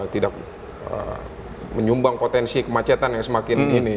tidak menyumbang potensi kemacetan yang semakin ini